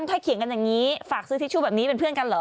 ถ้าเขียนกันอย่างนี้ฝากซื้อทิชชู่แบบนี้เป็นเพื่อนกันเหรอ